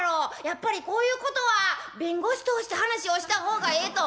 やっぱりこういうことは弁護士通して話をした方がええと」。